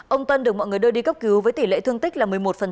ông tân được mọi người đưa đi cấp cứu với tỷ lệ thương tích là một mươi một